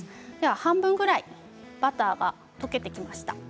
半分ぐらいバターが溶けてきました。